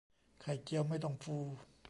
ไข่เจียวไม่ต้องฟู